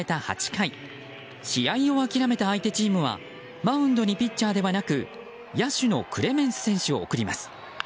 ８回試合を諦めた相手チームはマウンドにピッチャーではなく野手のクレメンス選手を送ります。